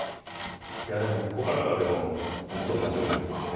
いやでもここからがでも本当の勝負ですよね。